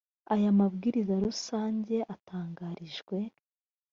aya mabwiriza rusange atangarijwe